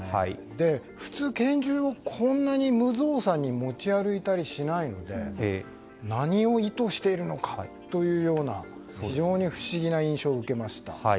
普通、拳銃をこんなに無造作に持ち歩いたりしないので何を意図しているのかというような非常に不思議な印象を受けました。